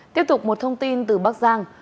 tiếp tục một thông tin từ bắc giang